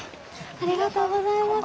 ありがとうございます。